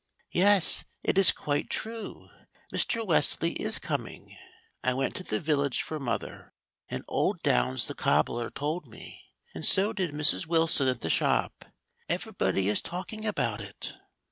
"Yes, it is quite true; Mr. Wesley is coming. I went to the village for mother, and old Downs the cobbler told me, and so did Mrs. Wilson at the shop. Everybody is talking about it."